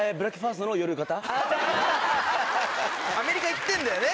アメリカ行ってんだよね？